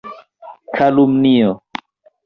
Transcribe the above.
Kalumnio.